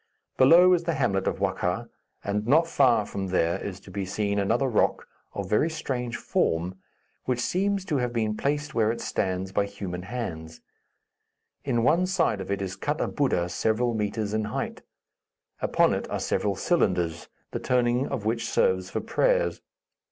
Below is the hamlet of Wakkha, and not far from there is to be seen another rock, of very strange form, which seems to have been placed where it stands by human hands. In one side of it is cut a Buddha several metres in height. Upon it are several cylinders, the turning of which serves for prayers.